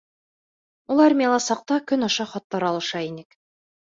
Ул армияла сакта көн аша хаттар алыша инек.